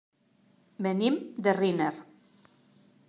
Venim de Riner.